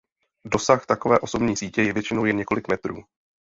Dosah takové osobní sítě je většinou jen několik metrů.